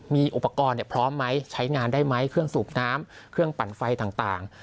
มีอุปกรณ์พร้อมไหมใช้งานได้ไหมเครื่องสูบน้ำเครื่องปั่นไฟต่าง